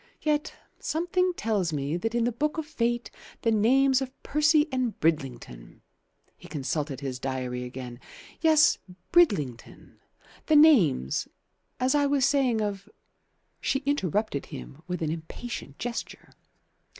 Yet something tells me that in the Book of Fate the names of Percy and Bridlington" he consulted his diary again "yes, Bridlington; the names, as I was saying, of " She interrupted him with an impatient gesture.